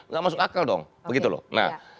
gak masuk akal dong begitu loh nah